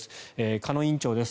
鹿野院長です。